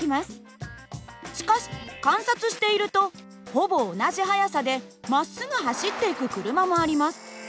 しかし観察しているとほぼ同じ速さでまっすぐ走っていく車もあります。